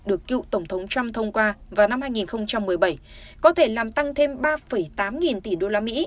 được cựu tổng thống trump thông qua vào năm hai nghìn một mươi bảy có thể làm tăng thêm ba tám nghìn tỷ đô la mỹ